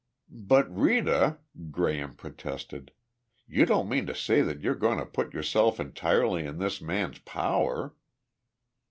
'" "But Rita," Graham protested, "you don't mean to say that you're going to put yourself entirely in this man's power?"